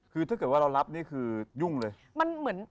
คือถ้าเกิดว่าเรารับนี่คือยุ่งเลย